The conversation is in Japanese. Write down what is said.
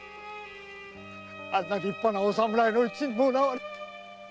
あんな立派なお侍の家にもらわれて！